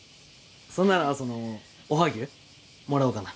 そんならそのおはぎゅうもらおうかな。